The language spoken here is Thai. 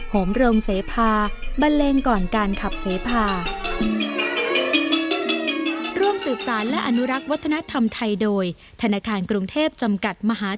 มโรงเสพาบันเลงก่อนการขับเสพา